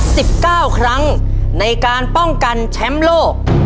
ตัวเลือกที่๑๙ครั้งในการป้องกันแชมป์โลก